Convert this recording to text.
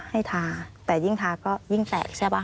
ทาแต่ยิ่งทาก็ยิ่งแตกใช่ป่ะ